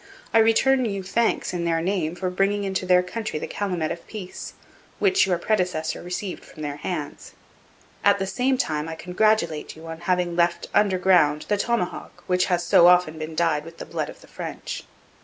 I return you thanks in their name for bringing into their country the calumet of peace, which your predecessor received from their hands. At the same time I congratulate you on having left under ground the tomahawk which has so often been dyed with the blood of the French.